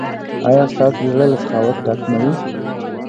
ایا ستاسو زړه له سخاوت ډک نه دی؟